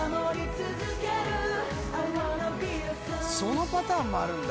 そのパターンもあるんだ